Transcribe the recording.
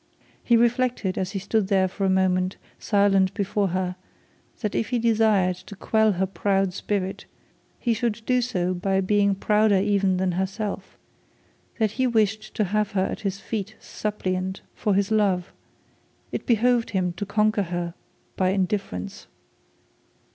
He reflected as he stood there for a moment, silent before her, that if he desired to quell her proud spirit, he should do so by being prouder even than herself; that if he wished to have her at his feet suppliant for his love it behoved him to conquer her by indifference.